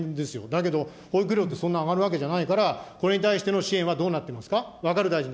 だけど保育料ってそんな上がるわけじゃないから、これに対しての支援はどうなってますか。